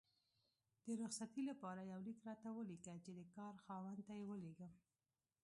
د رخصتي لپاره یو لیک راته ولیکه چې د کار خاوند ته یې ولیږم